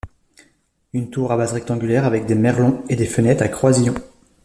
Une tour à base rectangulaire avec des merlons et des fenêtres à croisillons.